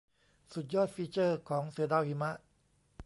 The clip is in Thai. สุดยอดฟีเจอร์ของเสือดาวหิมะ